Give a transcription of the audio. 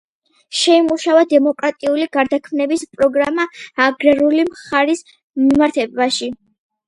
შეიმუშავა დემოკრატიული გარდაქმნების პროგრამა აგრარული მხარის მიმართებაში.